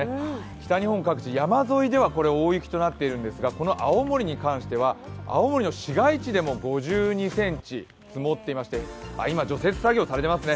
北日本各地山沿いでは大雪となっているんですがこの青森に関しては青森の市街地でも５２ｃｍ積もっていまして、今、除雪作業をされていますね。